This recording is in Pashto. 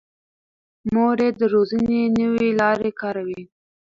مور یې د روزنې نوې لارې کاروي.